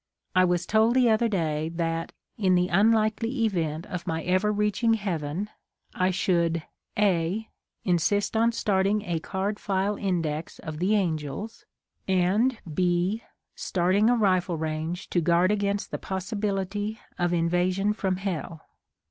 I was told the other day that, in the unlikely event of my ever reaching heaven, I should (a) Insist on starting a card file index of the angels, and (h) Starting a rifle range to 28 HOW THE MATTER AROSE guard against the possibility of invasion from Hell.